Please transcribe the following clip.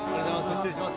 失礼します。